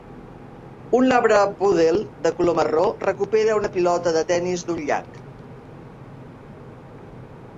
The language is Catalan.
un labrapoodle de color marró recupera una pilota de tenis d"un llac.